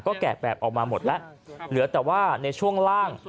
แกะแบบออกมาหมดแล้วเหลือแต่ว่าในช่วงล่าง